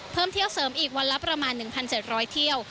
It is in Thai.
เพิ่มเที่ยวเสริมอีกวันละประมาณ๑๗๐๐เที่ยว